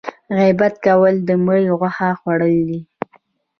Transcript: غیبت کول د مړي غوښه خوړل دي